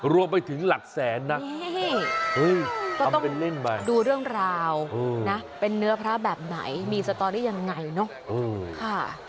รวมไปถึงหลักแสนนะดูเรื่องราวนะเป็นเนื้อพระแบบไหนมีสตอรี่ยังไงเนอะ